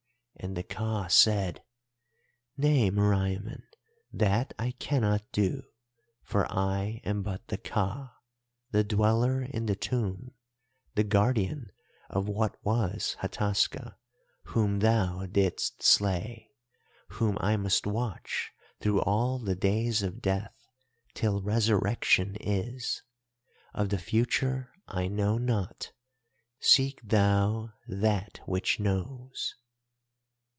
"And the Ka said: 'Nay, Meriamun, that I cannot do, for I am but the Ka—the Dweller in the Tomb, the guardian of what was Hataska whom thou didst slay, whom I must watch through all the days of death till resurrection is. Of the future I know naught; seek thou that which knows.